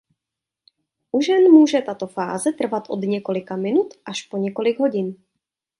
U žen může tato fáze trvat od několika minut až po několik hodin.